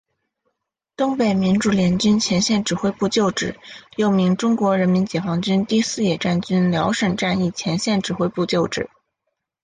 东北民主联军前线指挥部旧址又名中国人民解放军第四野战军辽沈战役前线指挥部旧址。